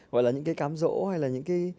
gọi là những cái cám rỗ hay là những cái